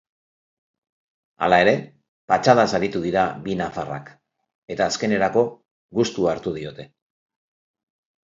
Hala ere, patxadaz aritu dira bi nafarrak eta azkenerako gustua hartu diote.